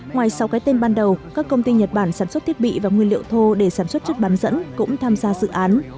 ngoài sau cái tên ban đầu các công ty nhật bản sản xuất thiết bị và nguyên liệu thô để sản xuất chất bán dẫn cũng tham gia dự án